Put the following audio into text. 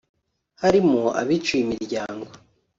harimo abiciwe imiryango